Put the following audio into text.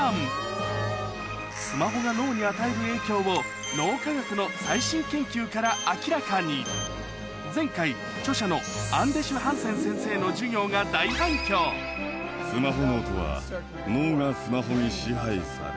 スマホが脳に与える影響を脳科学の最新研究から明らかに前回著者のアンデシュ・ハンセン先生の授業が大反響つまり。